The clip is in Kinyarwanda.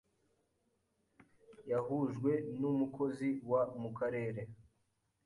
Yahujwe n umukozi wa mu Karere